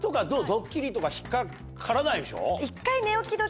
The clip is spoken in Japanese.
ドッキリとか引っ掛からないでしょ？